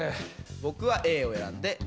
僕はＡを選んで。